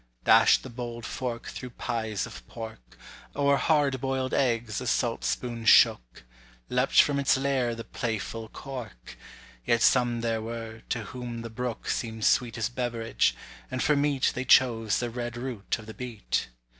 Dash'd the bold fork through pies of pork; O'er hard boil'd eggs the saltspoon shook; Leapt from its lair the playful cork: Yet some there were, to whom the brook Seem'd sweetest beverage, and for meat They chose the red root of the beet.